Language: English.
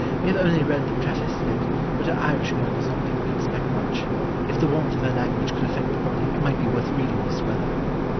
We have only read the preface yet, but her Irish girl does not make me expect much. If the warmth of her language could affect the body it might be worth reading this weather."